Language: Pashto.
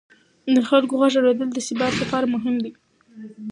د خلکو غږ اورېدل د ثبات لپاره مهم دي